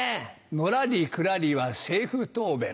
のらりくらりは政府答弁。